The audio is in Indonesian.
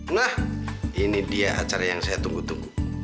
nah ini dia acara yang saya tunggu tunggu